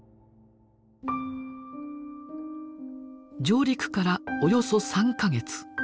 上陸からおよそ３か月。